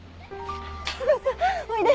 翼おいで。